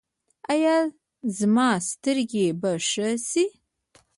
ایا زما سترګې به ښې شي؟